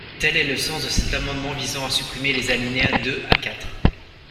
Tel est le sens de cet amendement visant à supprimer les alinéas deux à quatre.